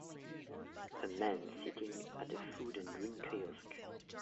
A man sitting at a food and drink kiosk